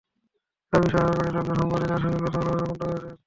স্বামীসহ শ্বশুরবাড়ির লোকজন সম্প্রতি তাঁর সঙ্গে কথা বলা পর্যন্ত বন্ধ করে দেন।